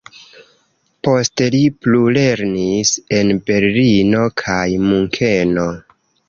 Poste li plulernis en Berlino kaj Munkeno.